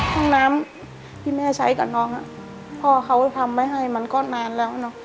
ห้องน้ำที่แม่ใช้กับน้องพ่อเขาทำไว้ให้มันก็นานแล้วเนอะ